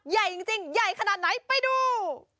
ใหญ่จริงใหญ่ขนาดไหนไปดู